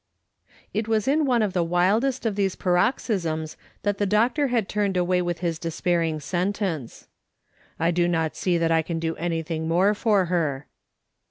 It was in one of the wildest of these paroxysms that the doctor had turned away with his despairing sentence. " I do not see that I can do anything more for her."